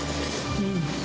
うん。